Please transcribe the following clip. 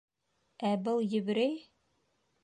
Ә был еврей?